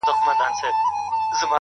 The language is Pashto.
نو په دې حساب زما خبرو